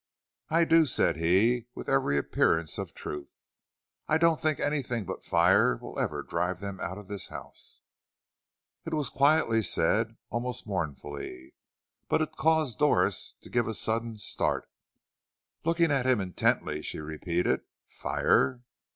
"I do," said he, with every appearance of truth. "I don't think anything but fire will ever drive them out of this house." It was quietly said, almost mournfully, but it caused Doris to give a sudden start. Looking at him intently, she repeated "Fire?"